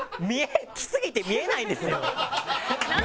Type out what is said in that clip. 着すぎて見えないんですよ。